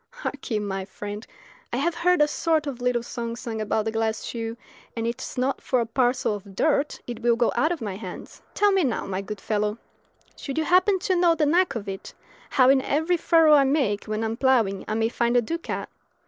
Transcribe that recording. Hark ye, my friend, I have heard a sort of little song sung about the glass shoe, and it is not for a parcel of dirt it will go out of my hands. Tell me now, my good fellow, should you happen to know the knack of it, how in every furrow I make when I am ploughing I may find a ducat?